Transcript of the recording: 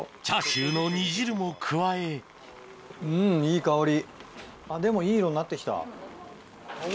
チャーシューの煮汁も加えあっでもいい色になって来た。